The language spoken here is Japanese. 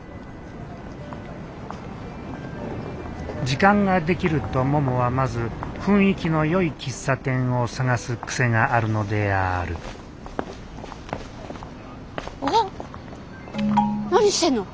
時間ができるとももはまず雰囲気のよい喫茶店を探す癖があるのであるわっ何してんの。